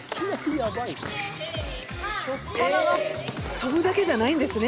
跳ぶだけじゃないんですね。